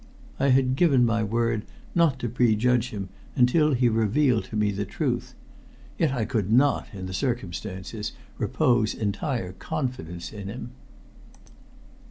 I had given my word not to prejudge him until he revealed to me the truth. Yet I could not, in the circumstances, repose entire confidence in him.